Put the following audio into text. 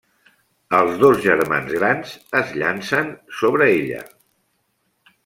Els dos germans grans es llancen sobre ella.